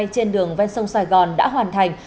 trên đường ven sông sài gòn đã hoàn thành